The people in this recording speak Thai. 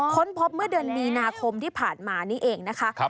ค้นพบเมื่อเดือนมีนาคมที่ผ่านมานี่เองนะคะ